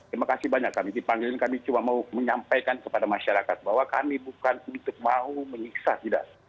terima kasih banyak kami dipanggil kami cuma mau menyampaikan kepada masyarakat bahwa kami bukan untuk mau menyiksa tidak